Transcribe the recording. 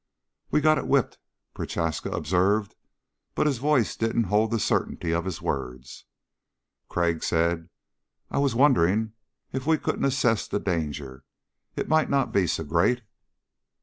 "We've got it whipped," Prochaska observed, but his voice didn't hold the certainty of his words. Crag said, "I was wondering if we couldn't assess the danger. It might not be so great...."